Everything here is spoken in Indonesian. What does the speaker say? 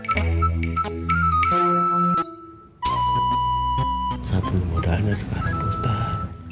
saya punya modalnya sekarang pak ustadz